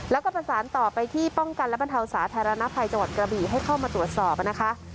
แล้วก็ประสานต่อไปที่ป้องกันและบรรเทาสาธารณภัยจังหวัดกระบี่ให้เข้ามาตรวจสอบนะคะ